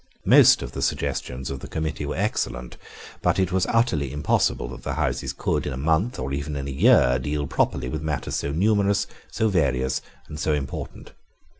Most of the suggestions of the committee were excellent; but it was utterly impossible that the Houses could, in a month, or even in a year, deal properly with matters so numerous, so various, and so important.